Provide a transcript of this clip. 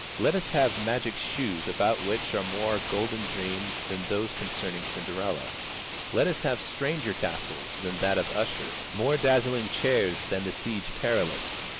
Let us have magic shoes about which are more golden dreams than those concerning Cinderella. Let us have stranger castles than that of Usher, more dazzling chairs than the Siege Perilous.